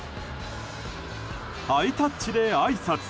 ハイタッチであいさつ。